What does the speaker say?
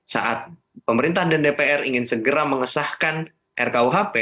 saat pemerintah dan dpr ingin segera mengesahkan rkuhp